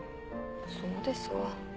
そうですか。